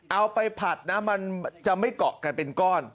เอาไปผัดนะมันจะไม่เกาะกันเป็นก้อน